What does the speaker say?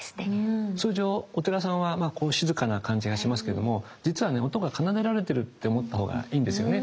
通常お寺さんは静かな感じがしますけども実はね音が奏でられてるって思った方がいいんですよね。